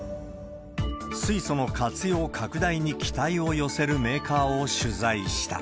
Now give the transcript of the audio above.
水素の活用拡大に期待を寄せるメーカーを取材した。